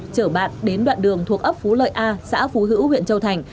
chở bạn đến đoạn đường thuộc ấp phú lợi a xã phú hữu huyện châu thành